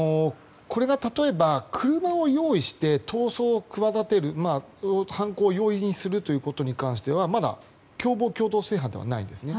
これが例えば車を用意して逃走を企てる犯行を容易にするということに関してはまだ共謀共同正犯ではないんですね。